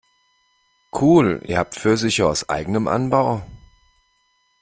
Cool, ihr habt Pfirsiche aus eigenem Anbau?